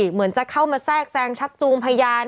เหมือนจะเข้ามาแทรกแซงชักจูงพยาน